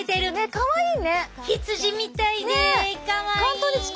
かわいい。